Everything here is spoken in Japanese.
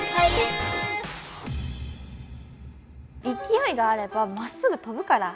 勢いがあればまっすぐ飛ぶから。